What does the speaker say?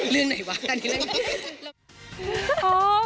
เรื่องไหนวะอันนี้เรื่องไหน